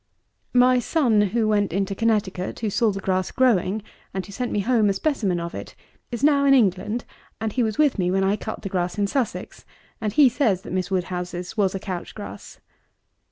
My son, who went into Connecticut, who saw the grass growing, and who sent me home a specimen of it, is now in England: he was with me when I cut the grass in Sussex; and he says that Miss WOODHOUSE'S was a Couch grass.